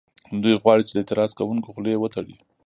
دوی غواړي چې د اعتراض کوونکو خولې وتړي